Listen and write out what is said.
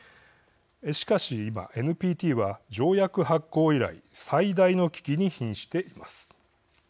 しかし、今ＮＰＴは条約発効以来最大の危機にひんしています。